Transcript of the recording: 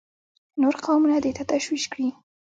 نور قومونه دې ته تشویق کړي.